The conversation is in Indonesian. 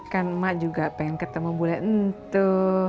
kan emak juga pengen ketemu bule itu